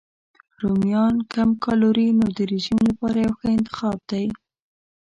رومیان کم کالوري نو د رژیم لپاره یو ښه انتخاب دی.